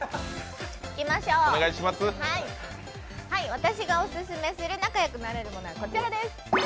私がオススメする仲良くなれるものはこちらです。